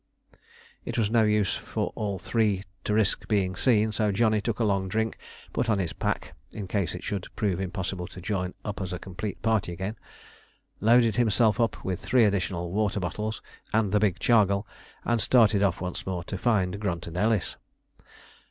It was no use for all three to risk being seen, so Johnny took a long drink, put on his pack (in case it should prove impossible to join up as a complete party again), loaded himself up with three additional water bottles and the big chargal, and started off once more to find Grunt and Ellis.